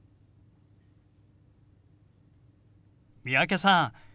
三宅さん